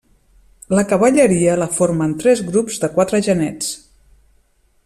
La cavalleria la formen tres grups de quatre genets.